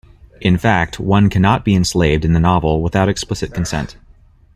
In fact, one cannot be enslaved in the novel, without explicit consent.